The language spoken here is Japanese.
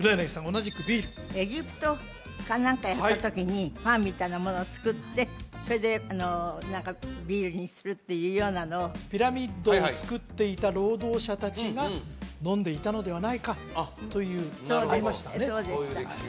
同じくビールエジプトか何かやった時にパンみたいなものを作ってそれで何かビールにするっていうようなのをピラミッドを造っていた労働者達が飲んでいたのではないかというそうです